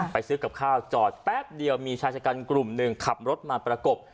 ซื้อกับข้าวจอดแป๊บเดียวมีชายชะกันกลุ่มหนึ่งขับรถมาประกบ